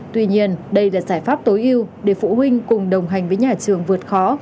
tuy nhiên đây là giải pháp tối ưu để phụ huynh cùng đồng hành với nhà trường vượt khó